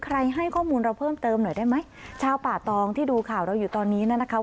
ให้ข้อมูลเราเพิ่มเติมหน่อยได้ไหมชาวป่าตองที่ดูข่าวเราอยู่ตอนนี้นะคะ